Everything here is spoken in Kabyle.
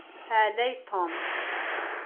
Ɛlay Tom.